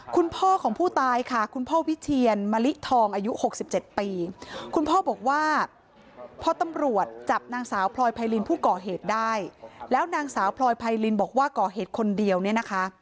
คุณพ่อของผู้ตายค่ะคุณพ่อวิเทียนมะลิทองอายุ๖๗ปีคุณพ่อบอกว่าพอตำรวจจับนางสาวพลอยไพรินผู้ก่อเหตุได้แล้วนางสาวพลอยไพรินบอกว่าก่อเหตุคนเดียวเนี่ยนะคะ